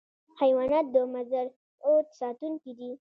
حیوانات د مزرعو ساتونکي دي.